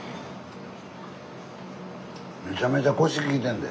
めちゃめちゃコシきいてんで。